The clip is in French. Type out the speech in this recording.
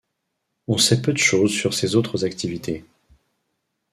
On sait peu de choses sur ses autres activités.